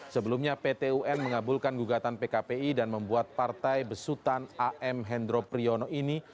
sebelumnya pt un mengabulkan gugatan pkpi dan membuat partai besutan am hendro priyono ini